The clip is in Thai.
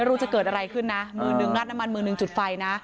ไม่รู้จะเกิดอะไรขึ้นนะมือนึงงัดน้ำมันมือหนึ่งจุดไฟนะ